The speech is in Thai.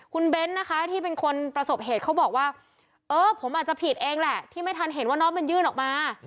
คุณเบ้นนะคะที่เป็นคนประสบเหตุเขาบอกว่าเออผมอาจจะผิดเองแหละที่ไม่ทันเห็นว่าน้องมันยื่นออกมา